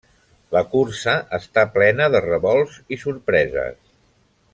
La cursa està plena de revolts i sorpreses.